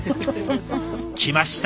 きました！